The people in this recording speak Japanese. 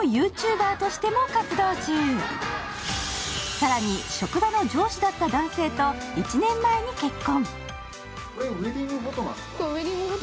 更に、職場の上司だった男性と１年前に結婚。